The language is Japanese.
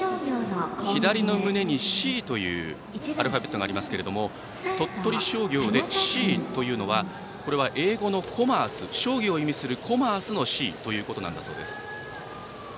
左の胸に、Ｃというアルファベットがありますが鳥取商業でＣというのは英語のコマース商業を意味するコマースのＣということだそうです。